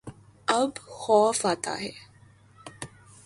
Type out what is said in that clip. اب خوف آتا ہے